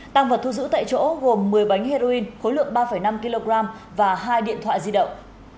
tăng vật thu giữ tại chỗ gồm một mươi bánh heroin khối lượng ba năm kg và hai điện thoại di động